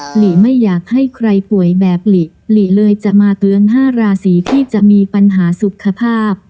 หลีไม่อยากให้ใครป่วยแบบหลีเลยจะมาเตือน๕ราศีที่จะมีปัญหาสุขภาพ